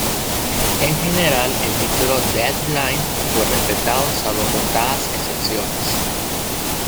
En general el título Dead Line fue respetado salvo contadas excepciones.